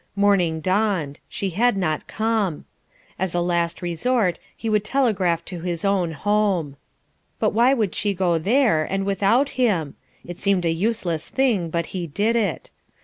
Morning dawned; she had not come. As a last resort, he would telegraph to his own home. But why would she go there, and without him? It seemed a useless thing, but he did it.